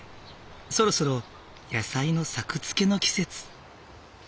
そろそろ野菜の作付けの季節。